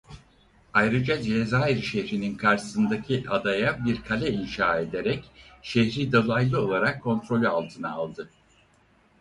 Ayrıca Cezayir şehrinin karşısındaki adaya bir kale inşa ederek şehri dolaylı olarak kontrolü altına aldı.